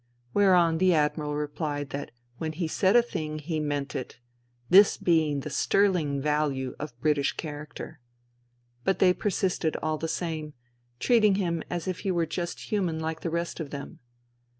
Whereon the Admiral replied that when he said a thing he meant it, this being the sterling value of British character. But they persisted all the same, treating him as if he were just human Hke the rest of them.